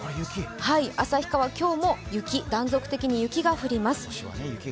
旭川、今日も断続的に雪が降ります